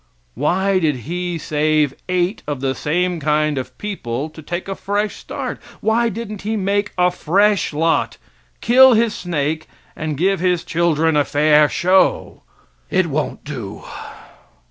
Why did He save eight of the same kind of people to take a fresh start? Why didn't He make a fresh lot, kill His snake, and give His children a fair show? It won't do.